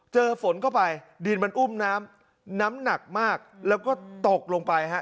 เจอฝนเข้าไปดินมันอุ้มน้ำน้ำหนักมากแล้วก็ตกลงไปฮะ